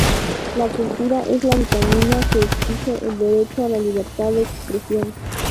La cultura es la vitamina que exige el derecho a la libertad de expresión